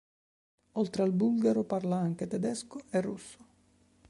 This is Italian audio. Oltre al bulgaro parla anche tedesco e russo.